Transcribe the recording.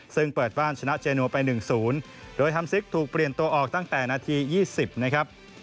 ซึ่งเปิดบ้านชนะเจโนไป๑๐โดยฮัมซิกถูกเปลี่ยนตัวออกตั้งแต่นาที๒๐นะครับ